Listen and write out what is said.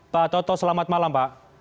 pak toto selamat malam pak